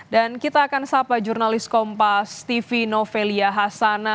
dan kita akan sapa jurnalis kompas tv novelia hasana